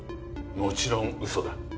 もちろん嘘だ。